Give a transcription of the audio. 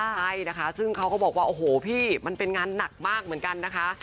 ใช่นะคะซึ่งเขาก็บอกว่าโอ้โหพี่มันเป็นงานหนักมากเหมือนกันนะคะ